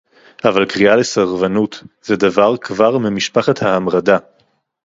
אבל קריאה לסרבנות זה דבר כבר ממשפחת ההמרדה